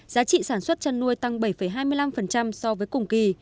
giá trị sản xuất chăn nuôi tăng bảy hai mươi năm so với cùng kỳ